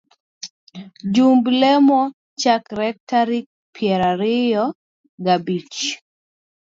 Jumb lemo chakore tarik piero ariyo gabich